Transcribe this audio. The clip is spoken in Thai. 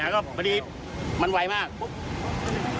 ไม่ค่ะก็พอดีมันไวมากปุ๊บ